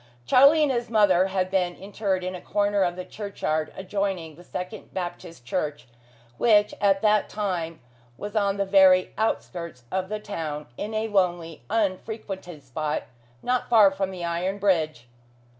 Charlie and his mother had been interred in a corner of the churchyard adjoining the second Baptist Church, which at that time was on the very outskirts of the town, in a lonely, unfrequented spot, not far from the iron bridge.